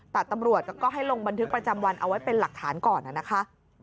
แต่ตำรวจก็ให้ลงบันทึกประจำวันเอาไว้เป็นหลักฐานก่อนนะคะ